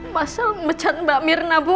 masal becat mbak mirna bu